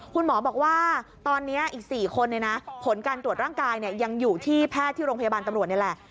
คุณหมอบอกว่าตอนนี้อีก๔คนผลการตรวจร่างกายยังอยู่ที่แพทย์ที่โรงพยาบาลตำรวจนี่แหละ